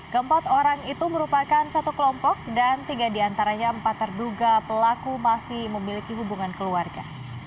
keempat orang itu merupakan satu kelompok dan tiga diantaranya empat terduga pelaku masih memiliki hubungan keluarga